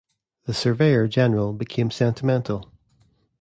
The Surveyor-General became sentimental.